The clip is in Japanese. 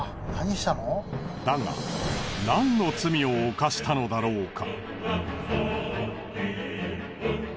だが何の罪を犯したのだろうか。